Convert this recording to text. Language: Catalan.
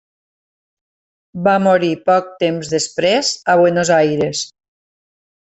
Va morir poc temps després a Buenos Aires.